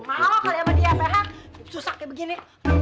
malah kalau sama dia ph susah kayak begini